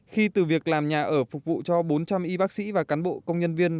khi từ việc làm nhà ở phục vụ cho bốn trăm linh y bác sĩ và cán bộ công nhân viên